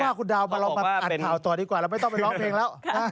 ผมว่าคุณดาวมาเราอัดข่าวต่อดีกว่าเราไม่ต้องไปร้องเพลงแล้ว